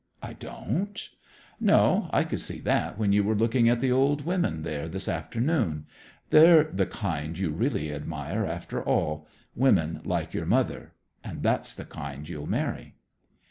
"I don't?" "No; I could see that when you were looking at the old women there this afternoon. They're the kind you really admire, after all; women like your mother. And that's the kind you'll marry."